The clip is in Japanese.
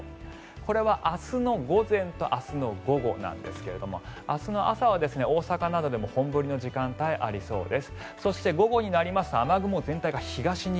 これは明日の午前と明日の午後なんですが明日の朝は大阪などでも本降りの時間帯がありそうです。